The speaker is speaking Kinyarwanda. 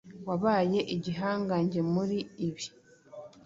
wabaye igihangange muri ibi.